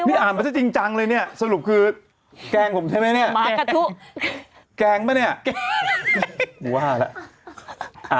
ปุปะลาลาลาปุปะปุปะอย่างนี้นะ